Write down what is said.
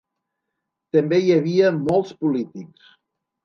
També hi havia molts polítics.